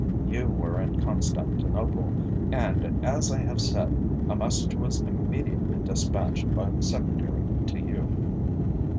You were in Constantinople, and, as I have said, a message was immediately despatched by the Secretary to you."